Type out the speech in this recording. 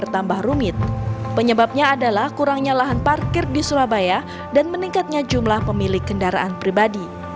salah satunya adalah kurangnya lahan parkir di surabaya dan meningkatnya jumlah pemilik kendaraan pribadi